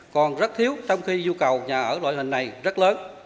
còn rất thiếu trong khi nhu cầu nhà ở loại hình này rất lớn